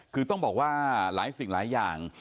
คือต้องบอกว่าหลายสิ่งหลายอย่าง